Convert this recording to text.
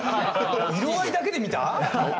色合いだけで見た？